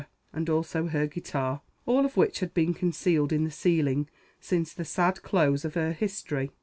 and also her guitar, all of which had been concealed in the ceiling since the sad close of her history.